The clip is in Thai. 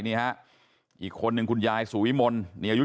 นี่ครับอีกคนเนี่ย